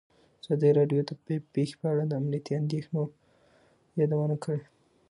ازادي راډیو د طبیعي پېښې په اړه د امنیتي اندېښنو یادونه کړې.